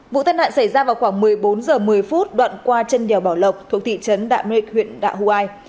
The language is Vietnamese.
vụ tân đạn xảy ra vào khoảng một mươi bốn h một mươi phút đoạn qua chân đèo bảo lộc thuộc thị trấn đạm nuyệt huyện đạo hoài